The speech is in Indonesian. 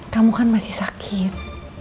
kamu kan masih sakit